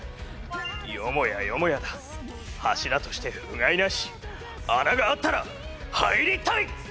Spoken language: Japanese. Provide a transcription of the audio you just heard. よもやよもやだ柱として不甲斐なし穴があったら入りたい！